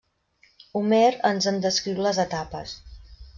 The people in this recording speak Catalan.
Homer ens en descriu les etapes.